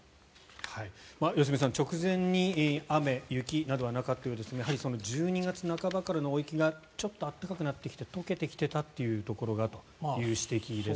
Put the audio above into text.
良純さん直前に雨、雪などはなかったようですがやはり１２月半ばからの大雪がちょっと暖かくなってきて解けてきてたというところだという指摘ですね。